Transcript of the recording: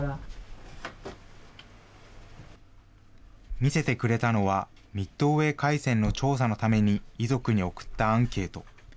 見せてくれたのは、ミッドウェー海戦の調査のために遺族に送ったアンケート。